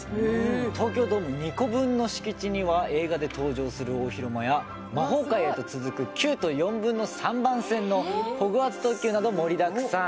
東京ドーム２個分の敷地には映画で登場する大広間や魔法界へと続く９と４分の３番線のホグワーツ特急など盛りだくさん